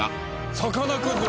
さかなクンだ！